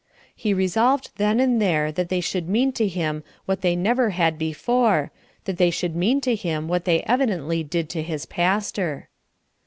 He resolved then and there that they should mean to him what they never had before, that they should mean to him what they evidently did to his pastor.